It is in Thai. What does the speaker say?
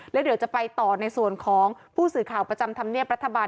แล้วเดี๋ยวจะไปต่อในส่วนของผู้สื่อข่าวประจำธรรมเนียบรัฐบาล